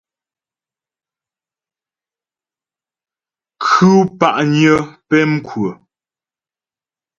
Khʉ̂ pa'nyə pɛmkwə.